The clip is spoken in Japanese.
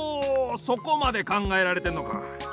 そこまでかんがえられてんのか。